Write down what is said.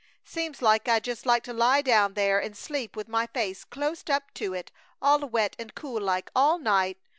"Seems like I'd just like to lie down there and sleep with my face clost up to it, all wet and cool like, all night!"